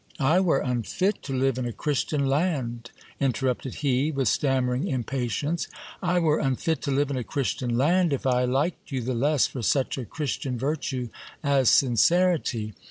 I were unfit to live in a Christian land ! interrupted he, with stammering impatience ; I were unfit to live in a Christian land if I liked you the less for such a Chris tian virtue as sincerity.